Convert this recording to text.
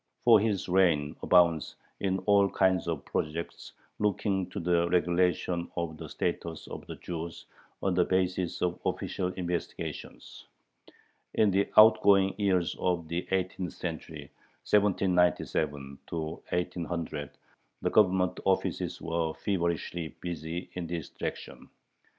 For his reign abounds in all kinds of projects looking to the regulation of the status of the Jews on the basis of official "investigations." In the outgoing years of the eighteenth century (1797 1800) the Government offices were feverishly busy in this direction.